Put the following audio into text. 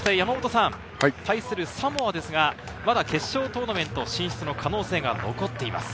対するサモアですがまだ決勝トーナメント進出の可能性が残っています。